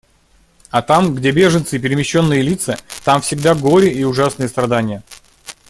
А там, где беженцы и перемещенные лица, там всегда горе и ужасные страдания.